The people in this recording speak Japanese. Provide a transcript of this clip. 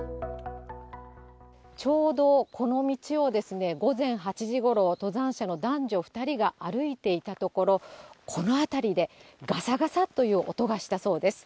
ちょうどこの道を午前８時ごろ、登山者の男女２人が歩いていたところ、この辺りで、がさがさという音がしたそうです。